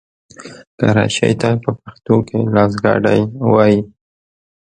کراچۍ ته په پښتو کې لاسګاډی وايي.